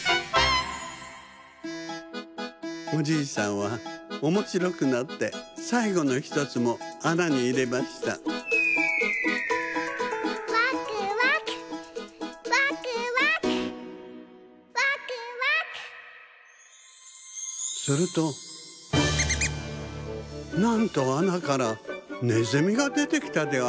おじいさんはおもしろくなってさいごの１つもあなにいれましたするとなんとあなからねずみがでてきたではありませんか。